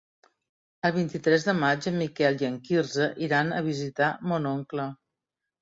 El vint-i-tres de maig en Miquel i en Quirze iran a visitar mon oncle.